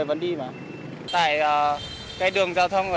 và câu trả lời là không